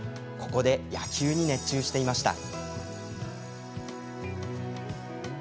ここで野球に熱中していました。